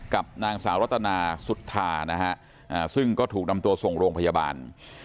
กับนางสาวรัตนาสุธานะฮะซึ่งก็ถูกนำตัวส่งโรงพยาบาล